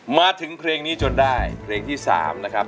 มาถึงเพลงนี้จนได้เพลงที่๓นะครับ